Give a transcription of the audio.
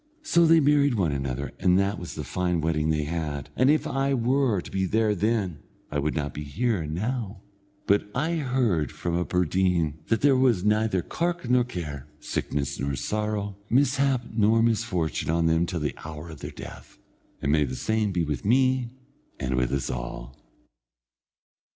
So they married one another, and that was the fine wedding they had, and if I were to be there then, I would not be here now; but I heard it from a bird_een_ that there was neither cark nor care, sickness nor sorrow, mishap nor misfortune on them till the hour of their death, and may the same be with me, and with us all!